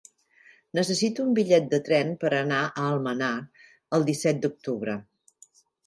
Necessito un bitllet de tren per anar a Almenar el disset d'octubre.